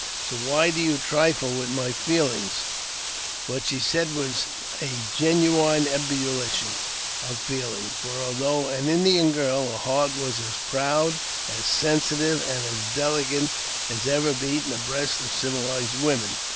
So why do you trifle with my feelings? " What she said w^as a genuine ebullition of feeling ; for, ilthough an Indian girl, her heart was as proud, as sensitive, md as delicate as ever beat in the breast of civilized woman.